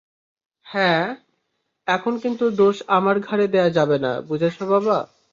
হ্যাঁ, এখন কিন্তু দোষ আমার ঘাড়ে দেয়া যাবে না, বুঝেছ বাবা?